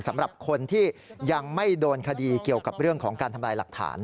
สำหรับคนที่ยังไม่โดนคดีเกี่ยวกับเรื่องของการทำลายหลักฐาน